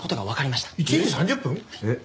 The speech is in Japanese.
１時３０分？